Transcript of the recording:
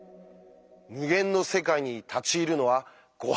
無限の世界に立ち入るのはご法度。